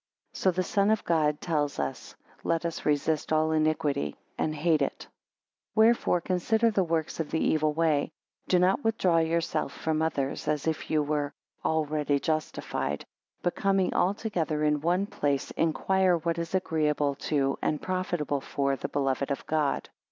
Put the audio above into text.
So the Son of God tells us; Let us resist all iniquity and hate it. 11 Wherefore consider the works of the evil way. Do not withdraw yourselves from others as if you were already justified; but coming altogether into one place, inquire what is agreeable to and profitable for the beloved of God.